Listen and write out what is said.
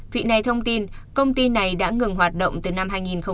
vị này thông tin công ty này đã ngừng hoạt động từ năm hai nghìn một mươi